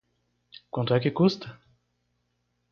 Quanto é que custa?